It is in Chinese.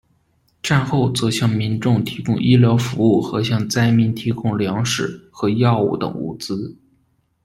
战后则向民众提供医疗服务和向灾民提供粮食和药物等物资。